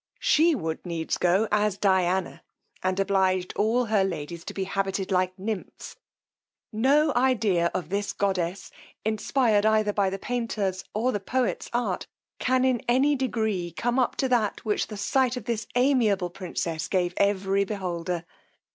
She would needs go as a Diana, and obliged all her ladies to be habited like nymphs: no idea of this goddess, inspired either by the painter or the poet's art, can in any degree come up to that which the fight of this amiable princess gave every beholder.